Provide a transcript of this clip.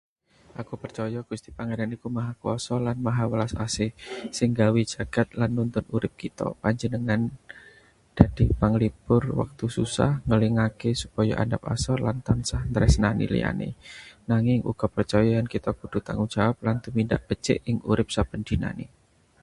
Aku pracaya Gusti Pengeran iku Maha Kuwasa lan Maha Welas Asih, sing nggawe jagad lan nuntun urip kita. Panjenengané dadi panglipur wektu susah, ngelingaké supaya andhap asor lan tansah nresnani liyan. Nanging uga percaya yèn kita kudu tanggung jawab lan tumindak becik ing urip saben dinane.